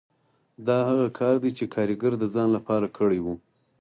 دا هغه کار دی چې کارګر د ځان لپاره کړی وي